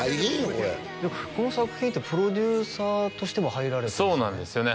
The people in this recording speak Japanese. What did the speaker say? これこの作品ってプロデューサーとしても入られてるんですよね？